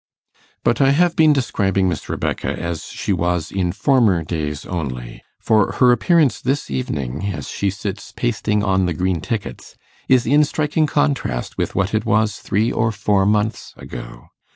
But I have been describing Miss Rebecca as she was in former days only, for her appearance this evening, as she sits pasting on the green tickets, is in striking contrast with what it was three or four months ago.